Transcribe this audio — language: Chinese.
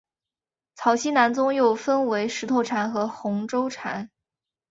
曹溪南宗又分为石头禅和洪州禅。